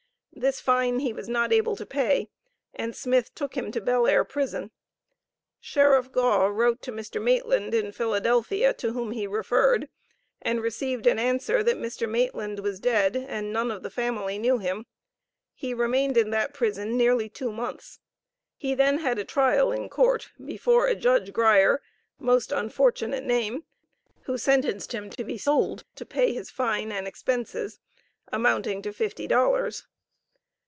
This fine he was not able to pay, and Smith took him to Bell Air prison. Sheriff Gaw wrote to Mr. Maitland in Philadelphia, to whom he referred, and received an answer that Mr. Maitland was dead and none of the family knew him. He remained in that prison nearly two months. He then had a trial in court before a Judge Grier (most unfortunate name), who sentenced him to be sold to pay his fine and expenses, amounting to fifty dollars.